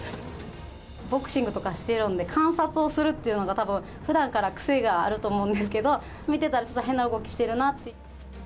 ボクシングとかしてるんで、観察をするっていうのが、たぶん、ふだんから癖があると思うんですけど、見てたら、ちょっと変な動きしてるなって。